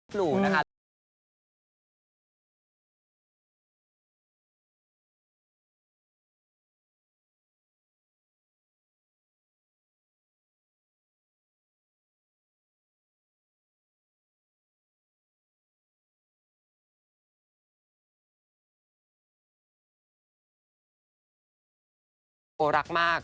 ก็คือพี่นีโน้ปรากฏว่าข้อมูลตรงกันค่ะ